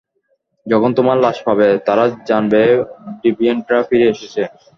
যখন তোমার লাশ পাবে, তারা জানবে ডিভিয়েন্টরা ফিরে এসেছে।